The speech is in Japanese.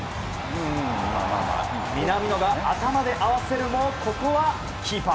南野が頭で合わせるもここはキーパー。